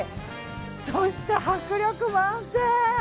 そして迫力満点。